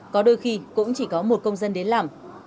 có đôi khi cũng chỉ có một công dân đến làm